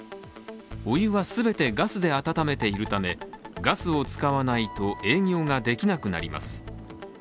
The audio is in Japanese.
お湯は全てガスで温めているためガスを使わないと、営業ができなくなります。